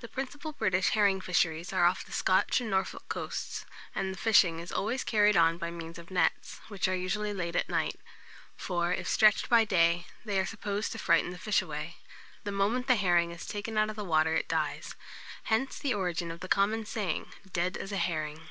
The principal British herring fisheries are off the Scotch and Norfolk coasts; and the fishing is always carried on by means of nets, which are usually laid at night; for, if stretched by day, they are supposed to frighten the fish away. The moment the herring is taken out of the water it dies. Hence the origin of the common saying, "dead as a herring."